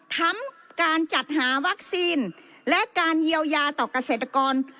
ทั้งการจัดหาวัคซีนและการเยียวยาต่อเกษตรกร